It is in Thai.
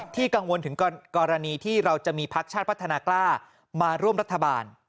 กังวลถึงกรณีที่เราจะมีพักชาติพัฒนากล้ามาร่วมรัฐบาล